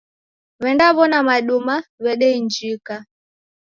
W'endaw'ona maduma w'edeinjika.